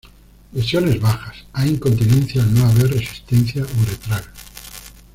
Lesiones bajas: hay incontinencia al no haber resistencia uretral.